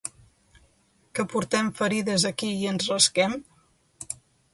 Que portem ferides aquí i ens rasquem?